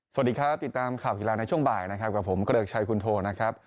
สวัสดีครับติดตามข่าวกีฬาในช่วงบ่ายนะครับกับผมเกริกชัยคุณโทนะครับ